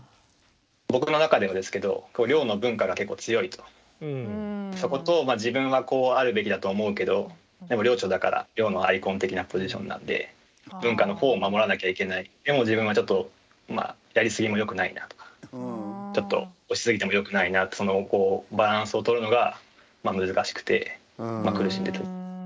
僕の中ではですけど寮の文化が結構強いとそこと自分はこうあるべきだと思うけどでも寮長だから寮のアイコン的なポジションなので文化の方を守らなきゃいけないでも自分はちょっとまあやりすぎもよくないなとかちょっと押しすぎてもよくないなってそのバランスをとるのがまあ難しくて苦しんでたところも。